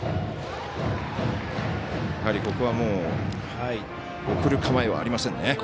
やはり、ここは送る構えはありませんね。